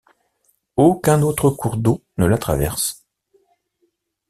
Aucun autre cours d'eau ne la traverse.